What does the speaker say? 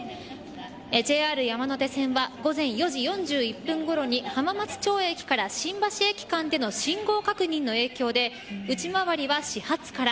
ＪＲ山手線は午前４時４１分ごろに浜松町駅から新橋駅間での信号確認の影響で内回りは、始発から。